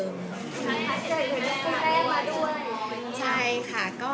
น้ำตาข้อค่ะ